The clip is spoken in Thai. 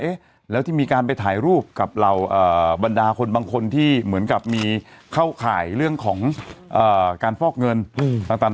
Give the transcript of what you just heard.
เอ๊ะแล้วที่มีการไปถ่ายรูปกับเหล่าบรรดาคนบางคนที่เหมือนกับมีเข้าข่ายเรื่องของการฟอกเงินต่าง